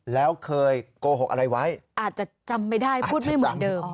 แล้วเคยโกหกอะไรไว้อาจจะจำไม่ได้พูดไม่เหมือนเดิม